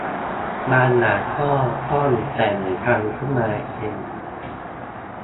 บางอย่างก็ต้องแต่งกันขึ้นมาเอง